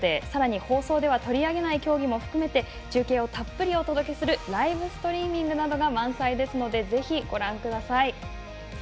さらに、放送では取り上げない競技も含めて中継をたっぷりお届けするライブストリーミングなどが満載ですのでぜひご覧ください。